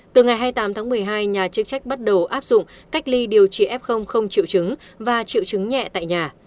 từ ngày hai mươi tám tháng một mươi hai nhà chức trách bắt đầu áp dụng cách ly điều trị f không triệu chứng và triệu chứng nhẹ tại nhà